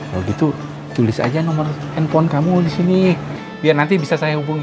kalau gitu tulis aja nomor handphone kamu di sini biar nanti bisa saya hubungi